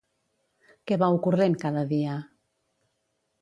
Què va ocorrent cada dia?